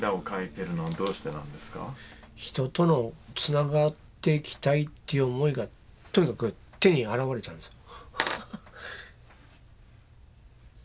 人とのつながっていきたいっていう思いがとにかく手に表れちゃうんですよ。